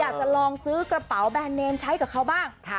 อยากจะลองซื้อกระเป๋าแบรนดเนมใช้กับเขาบ้าง